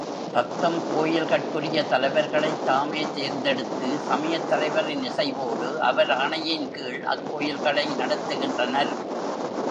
தத்தம் கோயில்கட்குரிய தலைவர்களைத் தாமே தேர்ந்தெடுத்து, சமயத் தலைவரின் இசைவோடு, அவராணையின் கீழ் அக்கோயில்களை நடத்துகின்றனர்.